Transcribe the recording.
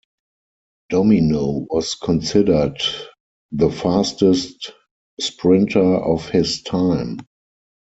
Domino was considered the fastest sprinter of his time.